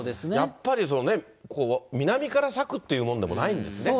やっぱりそのね、南から咲くっていうものでもないんですね。